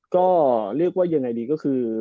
ก็เรียกว่ายังไงดีก็คือ